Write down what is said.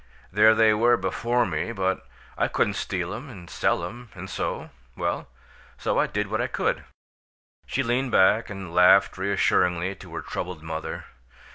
There they were, before me, but I couldn't steal 'em and sell 'em, and so well, so I did what I could!" She leaned back and laughed reassuringly to her troubled mother.